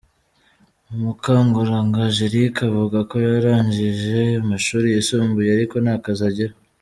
Mukankuranga Angelique avuga ko yarangije amashuri yisumbuye ariko nta kazi agira.